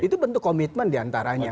itu bentuk komitmen diantaranya